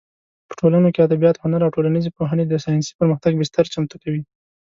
په ټولنو کې ادبیات، هنر او ټولنیزې پوهنې د ساینسي پرمختګ بستر چمتو کوي.